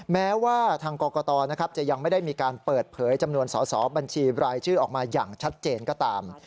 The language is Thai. แม้ว่าทางกรกตจะยังไม่ได้มีการเปิดเผยจำนวนสอสอบัญชีรายชื่อออกมาอย่างชัดเจนก็ตาม